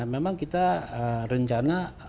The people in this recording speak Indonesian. memang kita rencana